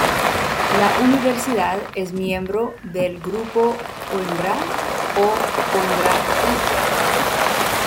La universidad es miembro del grupo Coimbra o Coimbra-Gruppe.